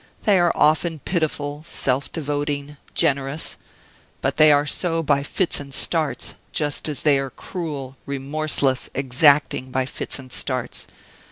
They are often pitiful, self devoting, generous; but they are so by fits and starts, just as they are cruel, remorseless, exacting, by fits and starts.